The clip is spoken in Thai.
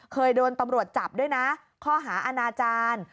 เคยโดนตำรวจจับด้วยนะข้อหาอาณาจารย์